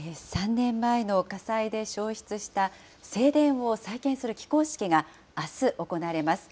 ３年前の火災で焼失した正殿を再建する起工式があす行われます。